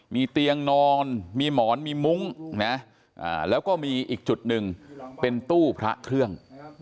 มีเตียงนอนมีหมอนมีมุ้งนะแล้วก็มีอีกจุดหนึ่งเป็นตู้พระเครื่อง